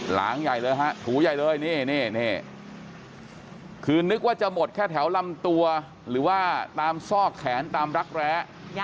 หลังใหญ่เลยฮะถูใหญ่เลยนี่คือนึกว่าจะหมดแค่แถวลำตัวหรือว่าตามซอกแขนตามรักแร้